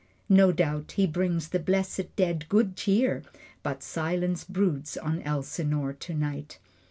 No doubt he brings the blessed dead good cheer, But silence broods on Elsinore tonight.